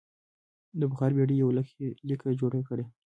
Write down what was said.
د بخار بېړۍ یوه لیکه جوړه کړه.